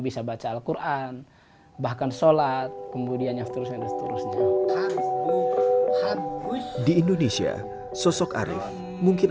bisa baca al qur'an bahkan sholat kemudian seterusnya di indonesia sosok arief mungkin